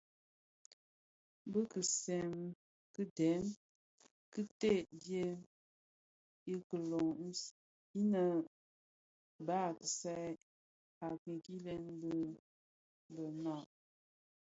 Bi kisèp ki dèm ki teel dyèm ikilön innë bas a kisal a kikilen bi bë naa.